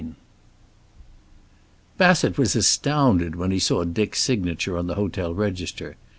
XXIV Bassett was astounded when he saw Dick's signature on the hotel register.